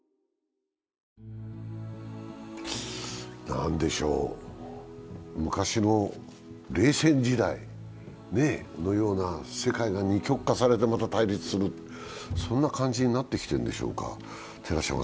何でしょう、昔の冷戦時代のような世界が二極化されてまた対立する、そんな感じになってきているんでしょうか。